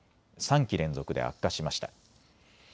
３期連続で悪化しました。